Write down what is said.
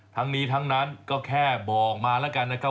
ทั้งนี้ทั้งนั้นก็แค่บอกมาแล้วกันนะครับ